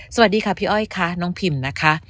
สวัสดีค่ะพี่อ้อยค่ะน้องพิมนะคะ